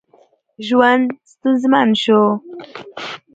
ژوند ستونزمن شو.